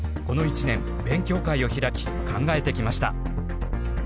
この一年勉強会を開き考えてきました。